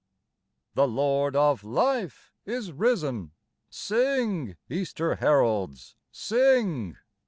The Lord of life is risen ! Sing, Easter heralds, sing